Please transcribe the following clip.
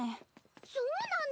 そうなの。